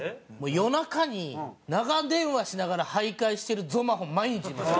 夜中に長電話しながら徘徊してるゾマホン毎日見ますよ。